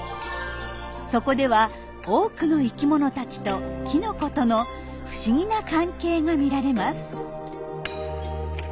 そこでは多くの生きものたちときのことの不思議な関係が見られます。